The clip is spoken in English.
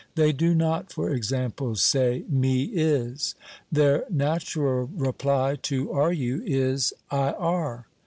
They do not, for example, say "me is;" their natural reply to "are you?" is "I are."